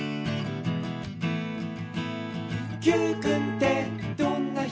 「Ｑくんってどんな人？